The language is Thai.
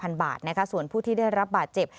จะได้รับการช่วยเหลือ๕๐๐๐บาทส่วนผู้ที่ได้รับบาทเจ็บ